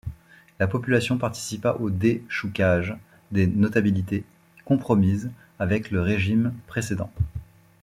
La population participa au déchoucage des notabilités compromises avec le régime précédent.